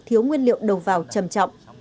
thiếu nguyên liệu đầu vào trầm trọng